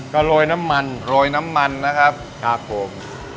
ก็โรยน้ำมันโรยน้ำมันนะครับครับผม